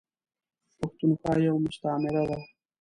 پښتونخوا یوه مستعمیره ده .